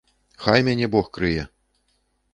Хай мяне бог крые!